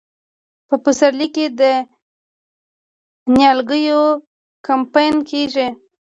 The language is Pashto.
په پسرلي کې د نیالګیو کمپاین کیږي.